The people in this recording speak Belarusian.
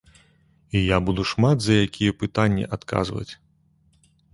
І я буду шмат за якія пытанні адказваць.